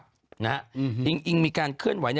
นะนิดนาทีอิงอิงมีการเคลื่อนไหว